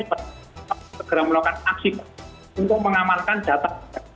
sebagai pemerintah melakukan aksi untuk mengamankan data